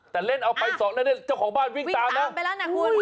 แต่เล่นเอาไป๒แล้วเจ้าของบ้านวิ่งตามนะไม่ทันอ้าวอุ๊ย